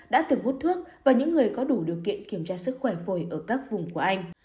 đã từng hút thuốc và những người có đủ điều kiện kiểm tra sức khỏe phổi ở các vùng của anh